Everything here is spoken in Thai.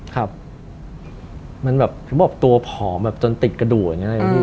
ดูแบบตัวผอมจนติดกระดูก